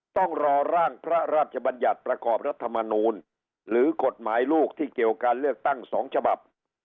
ต้องรอร่างพระราชบัญญัติประกอบรัฐมนูลหรือกฎหมายลูกที่เกี่ยวการเลือกตั้ง๒ฉบับ